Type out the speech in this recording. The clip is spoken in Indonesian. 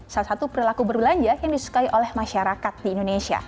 salah satu perilaku berbelanja yang disukai oleh masyarakat di indonesia